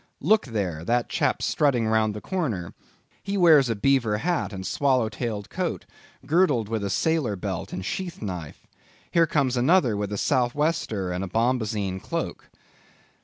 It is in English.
Look there! that chap strutting round the corner. He wears a beaver hat and swallow tailed coat, girdled with a sailor belt and sheath knife. Here comes another with a sou' wester and a bombazine cloak.